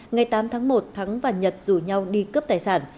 ngày tám tháng một thắng và nhật rủ nhau đi cướp tài sản